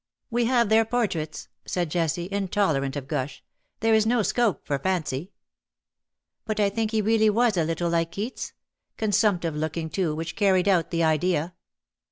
'^" We have their portraits,'' said Jessie, intolerant of gush. " There is no scope for fancy." 211 '^ But I think lie really was a little like Keats — consumptive looking, too, which carried out the idea.